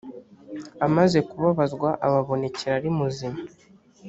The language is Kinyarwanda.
amaze kubabazwa ababonekera ari muzima